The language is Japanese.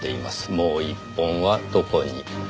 もう１本はどこに？